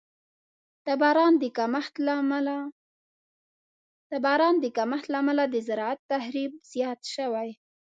د باران د کمښت له امله د زراعت تخریب زیات شوی.